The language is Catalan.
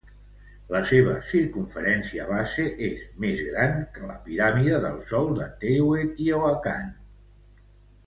La seva circumferència base és més gran que la piràmide del Sol de Teotihuacan.